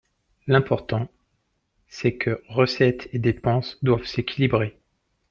L’important, c’est que recettes et dépenses doivent s’équilibrer.